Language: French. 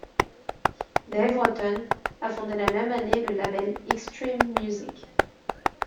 Dave Rotten a fondé la même année le label Xtreem Music.